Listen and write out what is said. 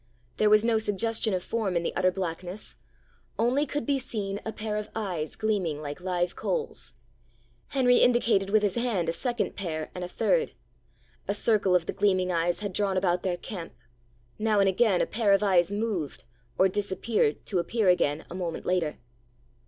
There was no suggestion of form in the utter blackness; only could be seen a pair of eyes gleaming like live coals. Henry indicated with his hand a second pair and a third. A circle of the gleaming eyes had drawn about their camp. Now and again a pair of eyes moved, or disappeared to appear again a moment later.'